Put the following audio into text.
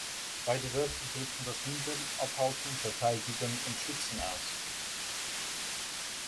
Beide Wörter drücken das Hindern, Abhalten, Verteidigen und Schützen aus.